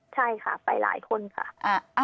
ใช่ค่ะไปหลายคนค่ะ